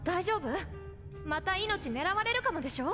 また命狙われるかもでしょ？